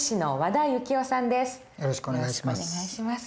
よろしくお願いします。